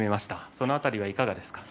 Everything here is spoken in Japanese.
その辺りはいかがですか？